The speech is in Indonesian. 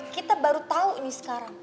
kita baru tahu ini sekarang